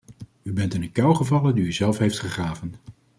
U bent in een kuil gevallen die u zelf heeft gegraven.